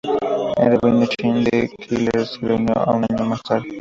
El Rabino Chaim D. Keller se les unió un año más tarde.